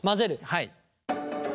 はい。